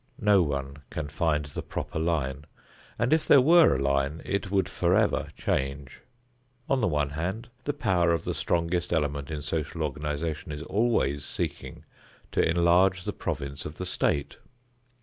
No one can find the proper line, and if there were a line it would forever change. On the one hand, the power of the strongest element in social organization is always seeking to enlarge the province of the state.